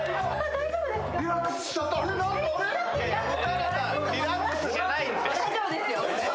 大丈夫ですよ。